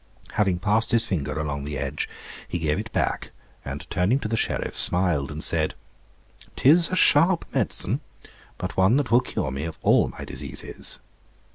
Having passed his finger along the edge, he gave it back, and turning to the Sheriff, smiled, and said, ''Tis a sharp medicine, but one that will cure me of all my diseases.'